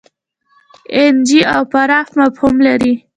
اېن جي او پراخ مفهوم لري.